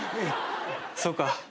そうか。